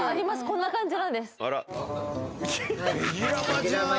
こんな感じなんですベギラマ！